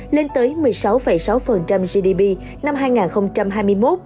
lên tới một mươi sáu sáu gdp năm hai nghìn hai mươi một